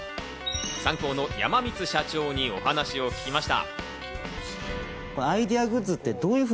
サンコーの山光社長にお話を聞きました。